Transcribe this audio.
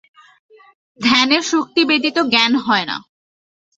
ধ্যানের শক্তি ব্যতীত জ্ঞান হয় না।